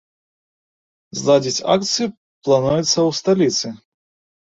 Зладзіць акцыю плануецца ў сталіцы.